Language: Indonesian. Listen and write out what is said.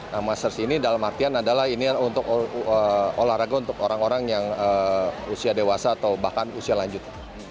nah masters ini dalam artian adalah ini untuk olahraga untuk orang orang yang usia dewasa atau bahkan usia lanjut